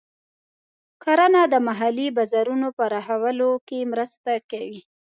کرنه د محلي بازارونو پراخولو کې مرسته کوي.